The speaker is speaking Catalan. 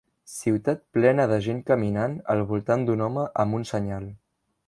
Ciutat plena de gent caminant al voltant d'un home amb un senyal.